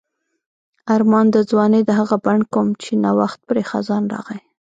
آرمان د ځوانۍ د هغه بڼ کوم چې نا وخت پرې خزان راغی.